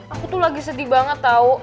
aku tuh lagi sedih banget tau